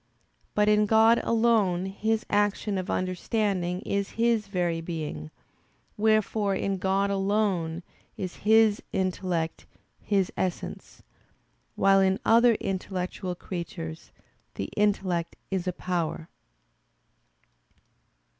But in God alone His action of understanding is His very Being. Wherefore in God alone is His intellect His essence: while in other intellectual creatures, the intellect is a power.